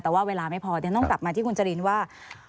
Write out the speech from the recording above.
แต่ว่าเวลาไม่พอเดี๋ยวต้องกลับมาที่คุณจรินว่า